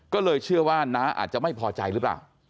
ก็เลยเชื่อว่าน้าอาจจะไม่พอใจหรือเปล่า